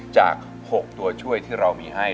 จาก๖ตัวช่วยที่เรามีให้